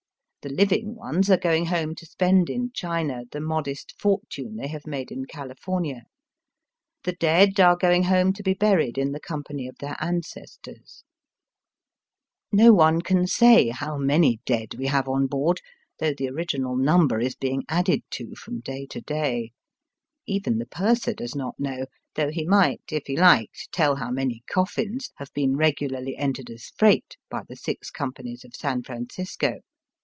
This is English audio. The Hving ones are going home to spend in China the modest fortune they have made in California. The dead are going home to be buried in the company of their ancestors. No one can say Digitized by VjOOQIC 170 EAST BY WEST. how many dead we have on hoard, though the original number is being added to from day to day. Even the purser does not know, though he mi^ht, if he liked, tell how many coffins have been regularly entered as freight by the Six Companies of San Francisco.